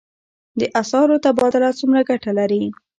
د اسعارو تبادله څومره ګټه لري؟